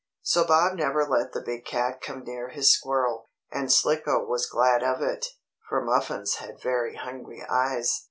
So Bob never let the big cat come near his squirrel, and Slicko was glad of it, for Muffins had very hungry eyes.